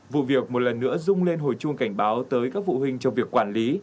vụ việc một lần nữa rung lên hồi chuông cảnh báo tới các vụ huynh trong việc quản lý